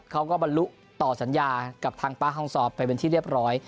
บรรลุต่อสัญญากับทางป๊าฮองซอฟไปเป็นที่เรียบร้อย